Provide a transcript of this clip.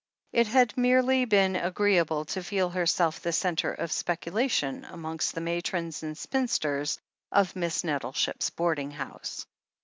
It had merely been agreeable to feel herself the centre of speculation amongst the matrons and spinsters of Miss Nettleship's boarding house.